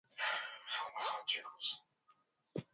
Mto mwingine ni Luwegu wenye eneo la ukubwa wa kilometa za mraba